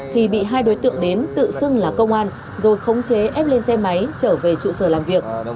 thì bị hai đối tượng đến tự xưng là công an rồi khống chế ép lên xe máy trở về trụ sở làm việc